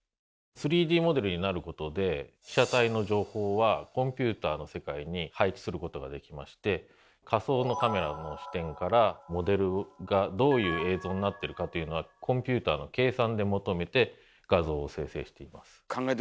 ３Ｄモデルになることで被写体の情報はコンピューターの世界に配置することができまして仮想のカメラの視点からモデルがどういう映像になってるかというのはコンピューターの計算で求めて画像を生成しています。